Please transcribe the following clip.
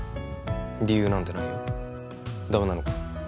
理由なんてないよダメなのか？